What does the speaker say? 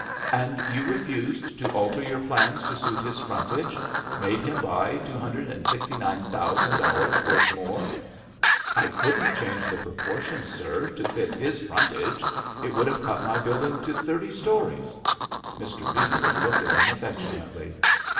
"And you refused to alter your plans to suit his frontage — ^made him buy $269,000 worth more ?" "I couldn't change the proportions, sir, to fit his frontage. It would have cut my build ing to thirty stories." Mr. Beeker looked at him affectionately.